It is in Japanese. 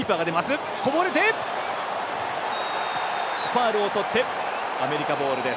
ファウルをとってアメリカボール。